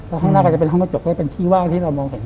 แล้วข้างหน้าก็จะเป็นห้องกระจกที่เป็นที่ว่างที่เรามองเห็น